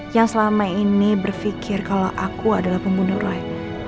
yang selama ini berfikir kalau aku adalah pembunuh roy